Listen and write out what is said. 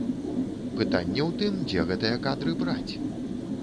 Пытанне ў тым, дзе гэтыя кадры браць.